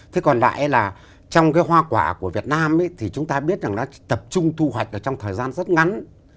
thế còn lại là trong cái hoa quả của việt nam thì chúng ta biết rằng nó tập trung thu hoạch ở trong thời gian rất ngắn